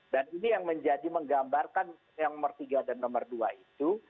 dan ini yang menjadi menggambarkan yang nomor tiga dan nomor dua itu